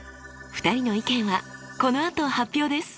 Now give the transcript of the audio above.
２人の意見はこのあと発表です！